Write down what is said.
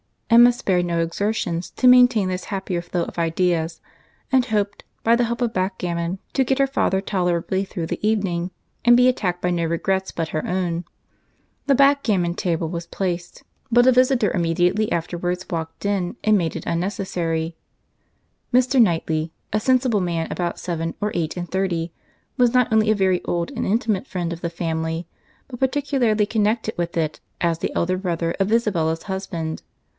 Emma spared no exertions to maintain this happier flow of ideas, and hoped, by the help of backgammon, to get her father tolerably through the evening, and be attacked by no regrets but her own. The backgammon table was placed; but a visitor immediately afterwards walked in and made it unnecessary. Mr. Knightley, a sensible man about seven or eight and thirty, was not only a very old and intimate friend of the family, but particularly connected with it, as the elder brother of Isabella's husband.